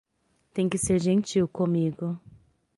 Tem que ser gentil comigo.